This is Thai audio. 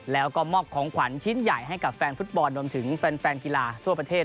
แล้วก็มอบของขวัญชิ้นใหญ่ให้กับแฟนฟุตบอลรวมถึงแฟนกีฬาทั่วประเทศ